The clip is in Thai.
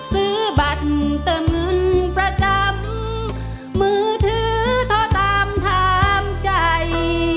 ซื้อบัตรเติมเงินประจำมือถือโทรตามถามใจ